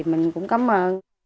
mình cũng cảm ơn